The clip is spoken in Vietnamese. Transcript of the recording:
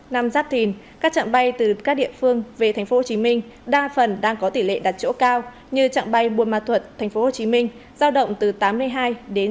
năm giáp thìn các trận bay từ các địa phương về tp hcm đa phần đang có tỷ lệ đặt chỗ cao như trận bay bôn ma thuật tp hcm giao động từ tám mươi hai đến chín mươi năm